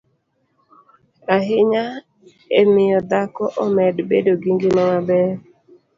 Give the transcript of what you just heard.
ahinya e miyo dhako omed bedo gi ngima maber,